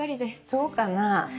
そうかな？